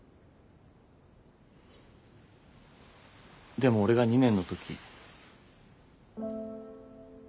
でも俺が２年の時。